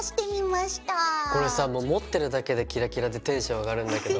これさ持ってるだけでキラキラでテンション上がるんだけど。